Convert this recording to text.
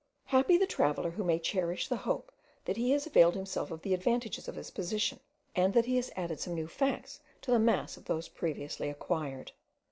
Happy the traveller who may cherish the hope that he has availed himself of the advantages of his position, and that he has added some new facts to the mass of those previously acquired!